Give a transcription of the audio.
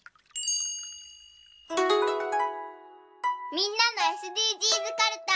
みんなのＳＤＧｓかるた。